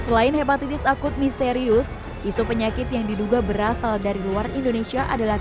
selain hepatitis akut misterius isu penyakit yang diduga berasal dari luar indonesia adalah